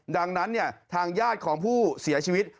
ดังนั้นทางญาติของผู้เสียชีวิต